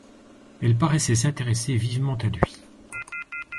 Elle paraissait s'intéresser vivement à lui.